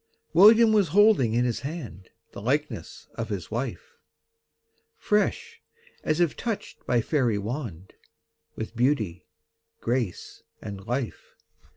William was holding in his hand The likeness of his wife! Fresh, as if touched by fairy wand, With beauty, grace, and life.